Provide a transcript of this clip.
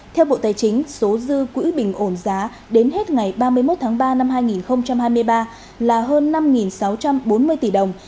theo bộ tài chính số dư quỹ bình ổn giá đến hết ngày ba mươi một tháng ba năm hai nghìn hai mươi ba là hơn năm sáu trăm bốn mươi tỷ đồng